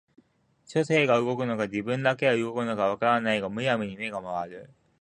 書生が動くのか自分だけが動くのか分からないが無闇に眼が廻る